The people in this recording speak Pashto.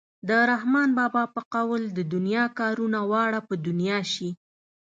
د رحمان بابا په قول د دنیا کارونه واړه په دنیا شي.